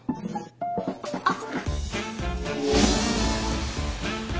あっ！